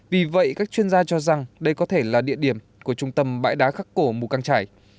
vì vậy các chuyên gia cho rằng đây có thể là địa điểm của trung tâm bãi đá khắc cổ mù căng trải